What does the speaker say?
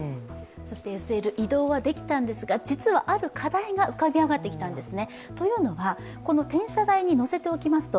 ＳＬ移動はできたんですが実はある課題が浮かび上がってきたんですね。